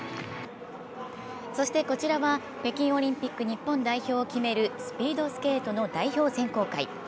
そしてこちらは北京オリンピック日本代表を決めるスピードスケートの代表選考会。